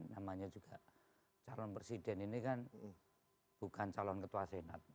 namanya juga calon presiden ini kan bukan calon ketua senat